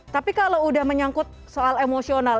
tapi kalau udah menyangkut soal emosional